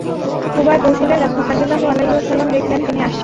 কুবায় পৌঁছলে রাসূল সাল্লাল্লাহু আলাইহি ওয়াসাল্লাম দেখলেন, তিনি আসছেন।